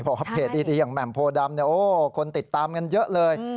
เพราะว่าเพจดีอย่างแหม่มโพดำคนติดตามกันเยอะเลย